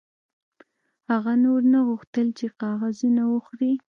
هغه نور نه غوښتل چې کاغذونه وخوري